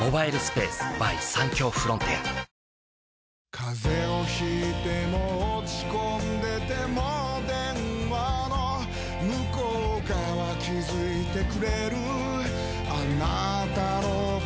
風邪を引いても落ち込んでても電話の向こう側気付いてくれるあなたの声